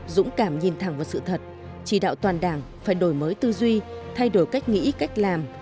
dũng cảm nhìn thẳng vào sự thật chỉ đạo toàn đảng phải đổi mới tư duy thay đổi cách nghĩ cách làm